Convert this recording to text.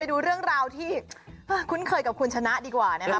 ดูเรื่องราวที่คุ้นเคยกับคุณชนะดีกว่านะครับ